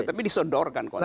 tapi disodorkan konsepnya